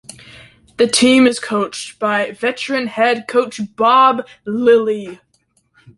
The team is coached by veteran head coach Bob Lilley.